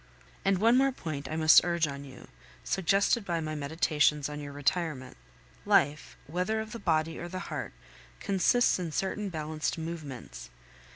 And one more point I must urge on you, suggested by my meditations on your retirement. Life, whether of the body or the heart, consists in certain balanced movements.